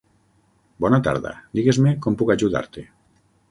Bona tarda, digues-me com puc ajudar-te.